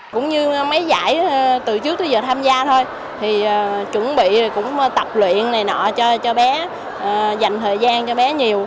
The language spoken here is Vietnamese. cũng như mấy giải từ trước tới giờ tham gia thôi thì chuẩn bị cũng tập luyện này nọ cho bé dành thời gian cho bé nhiều